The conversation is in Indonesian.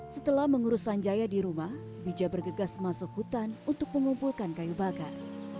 setelah mengurus sanjaya di rumah bija bergegas masuk hutan untuk mengumpulkan kayu bakar